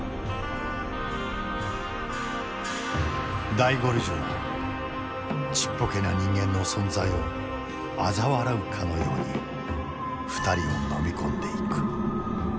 大ゴルジュはちっぽけな人間の存在をあざ笑うかのように２人をのみ込んでいく。